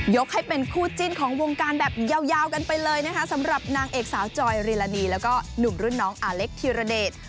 ให้เป็นคู่จิ้นของวงการแบบยาวกันไปเลยนะคะสำหรับนางเอกสาวจอยรีลานีแล้วก็หนุ่มรุ่นน้องอาเล็กธิรเดช